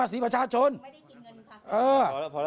เราจะช่วยคน